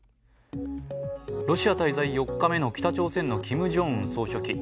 ロシア滞在４日目の北朝鮮のキム・ジョンウン総書記。